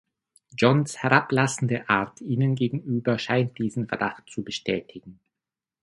Johns herablassende Art ihnen gegenüber scheint diesen Verdacht zu bestätigen.